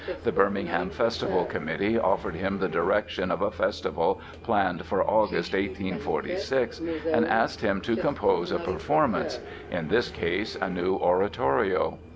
The Birmingham Festival Committee offered him the direction of a festival planned for August, 1846, and asked him to "compose a performance"—in this case, a new oratorio.